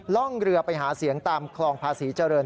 ร่องเรือไปหาเสียงตามคลองภาษีเจริญ